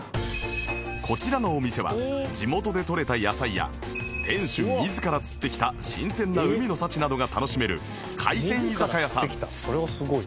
こちらのお店は地元でとれた野菜や店主自ら釣ってきた新鮮な海の幸などが楽しめる海鮮居酒屋さん